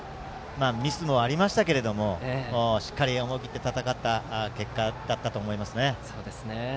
ミスもありましたけどもしっかり、思い切って戦った結果だったと思います。